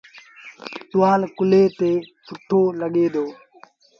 ٽوآل ڪلهي تي سُٺو لڳي دو